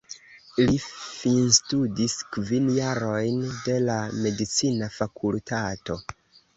Li finstudis kvin jarojn de la medicina fakultato.